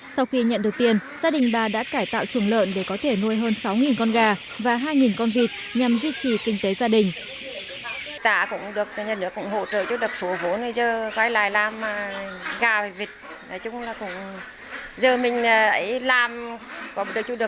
sau khi nhận được tiền gia đình bà đã cải tạo chuồng lợn để có thể nuôi hơn sáu con gà và hai con vịt nhằm duy trì kinh tế gia đình